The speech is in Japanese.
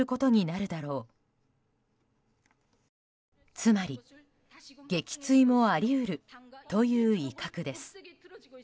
つまり撃墜もあり得るという威嚇です。